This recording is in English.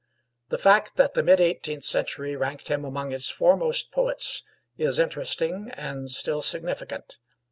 The fact that the mid eighteenth century ranked him among its foremost poets is interesting and still significant.